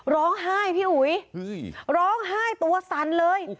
ร้องไห้พี่อุ๋ยร้องไห้ตัวสั่นเลย